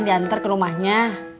diantar ke rumahnya